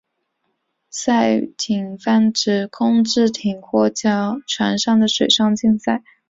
赛艇泛指控制艇或船的水上竞赛。